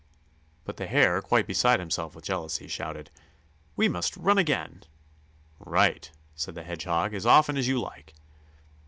But the Hare, quite beside himself with jealousy, shouted: "We must run again!" "Right!" said the Hedgehog. "As often as you like."